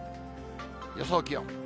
予想気温。